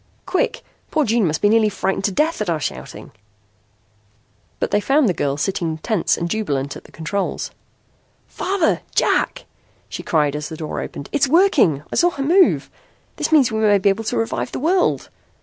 Quick. Poor June must be nearly frightened to death at our shouting." But they found the girl sitting tense and jubilant at the controls. "Father! Jack!" she cried as the door opened. "It's working. I saw her move. That means we may be able to revive the world!"